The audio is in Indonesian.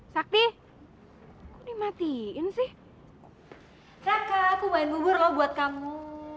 sakti dimatiin sih raka aku main bubur lo buat kamu